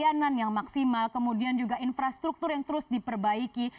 pelayanan yang maksimal kemudian juga infrastruktur yang terus diperbaiki